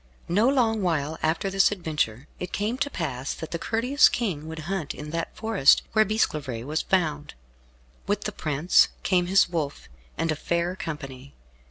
No long while after this adventure it came to pass that the courteous King would hunt in that forest where Bisclavaret was found. With the prince came his wolf, and a fair company.